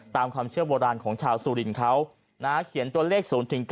ตามความเชื่อโบราณของชาวสุรินทร์เขาเขียนตัวเลข๐๙